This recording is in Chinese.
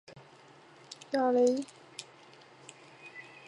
雅雷地区圣克鲁瓦人口变化图示